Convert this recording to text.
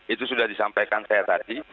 itu sudah disampaikan saya tadi